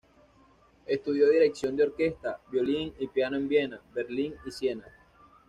Estudió dirección de orquesta, violín y piano en Viena, Berlín y Siena.